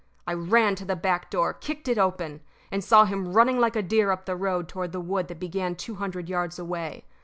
I ran to the back door, kicked it open, and saw him running like a deer up the road toward the wood that began two hundred yards away.